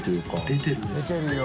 出てるよ。